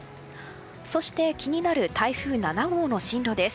そして気になる台風７号の進路です。